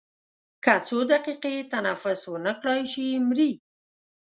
که څو دقیقې تنفس ونه کړای شي مري.